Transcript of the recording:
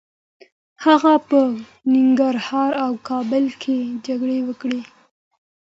هغه په ننګرهار او کابل کي جګړې وکړې.